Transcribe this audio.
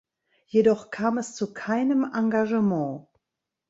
Jedoch kam es zu keinem Engagement.